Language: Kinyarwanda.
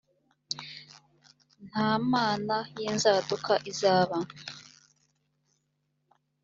nta mana y inzaduka izaba